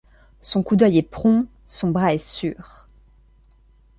Son coup d’œil est prompt, son bras est sûr.